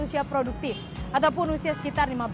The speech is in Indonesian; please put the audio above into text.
usia produktif ataupun usia sekitar